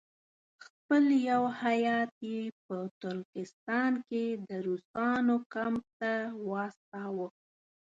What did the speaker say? خپل یو هیات یې په ترکستان کې د روسانو کمپ ته واستاوه.